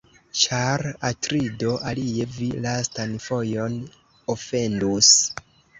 Ĉar, Atrido, alie vi lastan fojon ofendus.